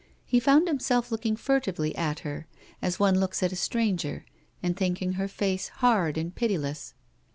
He found himself looking furtively at her, as one looks at a stranger, and thinking her face hard and pitiless.